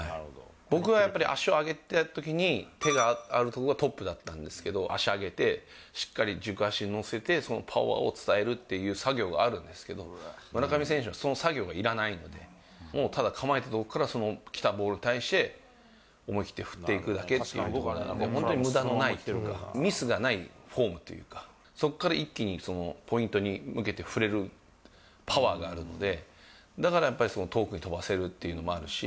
僕はやっぱり、足を上げたときに、手がある所がトップだったんですけれども、足上げて、しっかり軸足をのせて、そのパワーを伝えるっていう作業があるんですけれども、村上選手はその作業がいらないので、もうただ構えて、そこから来たボールに対して、思い切って振っていくだけっていう、本当にむだのないっていうか、ミスがないフォームというか、そこから一気にそのポイントに向けて振れるパワーがあるので、だからやっぱり、遠くに飛ばせるっていうのもあるし。